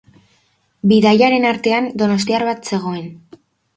Bidaiarien artean donostiar bat zegoen.